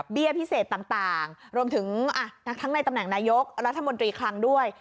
พิเศษต่างรวมถึงทั้งในตำแหน่งนายกรัฐมนตรีคลังด้วย